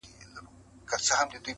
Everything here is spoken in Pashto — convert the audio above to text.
تیاره وریځ ده، باد دی باران دی,